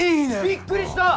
びっくりした！